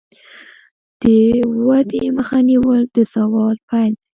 د ودې مخه نیول د زوال پیل دی.